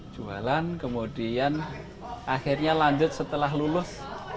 jualan kemudian akhirnya lanjut setelah lulus